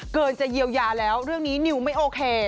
จะเยียวยาแล้วเรื่องนี้นิวไม่โอเค